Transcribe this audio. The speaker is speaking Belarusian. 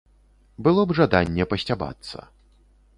Было б жаданне пасцябацца.